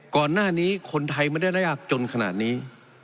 ก่อนหน้านี้คนไทยไม่ได้ระยากจนขนาดนี้